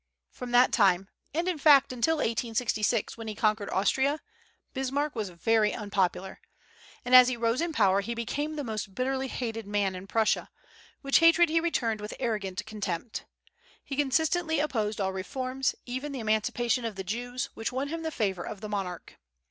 From that time, and in fact until 1866, when he conquered Austria, Bismarck was very unpopular; and as he rose in power he became the most bitterly hated man in Prussia, which hatred he returned with arrogant contempt. He consistently opposed all reforms, even the emancipation of the Jews, which won him the favor of the monarch.